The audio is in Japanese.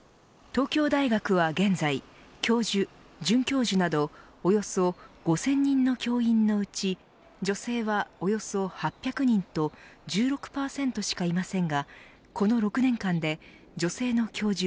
東京大学は現在教授、准教授などおよそ５０００人の教員のうち女性は、およそ８００人と１６％しかいませんがこの６年間で女性の教授